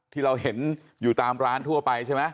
ที่เราเห็นอยู่ตามร้านทั่วไปใช่ไหม